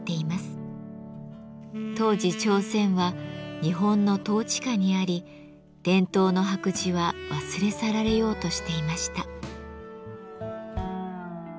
当時朝鮮は日本の統治下にあり伝統の白磁は忘れ去られようとしていました。